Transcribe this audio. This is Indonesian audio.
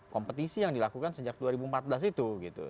kompetisi yang dilakukan sejak dua ribu empat belas itu